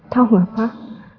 tau gak pak